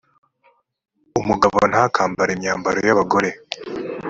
umugabo ntakambare imyambaro y’abagore;